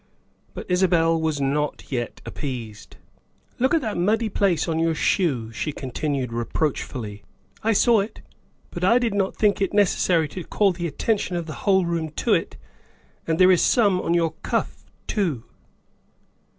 '' But Isabel was not yet appeased. " Look at that muddy place on your shoe," she con tinued reproachfully. " I saw it, but I did not think it necessary to call the attention of the whole room to it. And there is some on your cuff too.